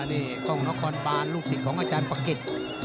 นี่กล้องนครบานลูกศิษย์ของอาจารย์ปะกิจ